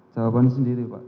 jawaban sendiri pak